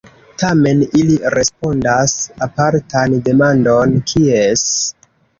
Tamen ili respondas apartan demandon: "kies?